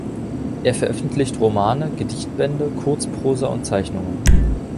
Er veröffentlicht Romane, Gedichtbände, Kurzprosa und Zeichnungen.